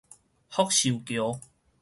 福壽橋